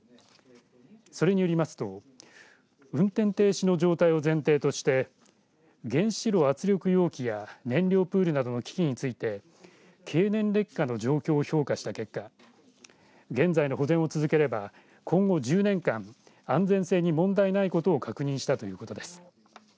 それによりますと運転停止の状態を前提として原子炉圧力容器や燃料プールなどの機器について経年劣化の状況を評価した結果、現在の保全を続ければ今後１０年間、安全性に問題ないことを確認したということです。